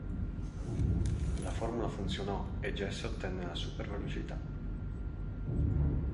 La formula funzionò e Jesse ottenne la super velocità.